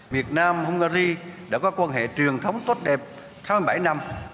việt nam hungary đã có quan hệ truyền thống tốt đẹp sáu mươi bảy năm